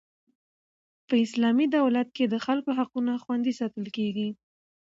په اسلامي دولت کښي د خلکو حقونه خوندي ساتل کیږي.